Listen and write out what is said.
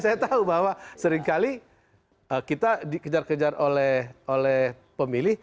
saya tahu bahwa seringkali kita dikejar kejar oleh pemilih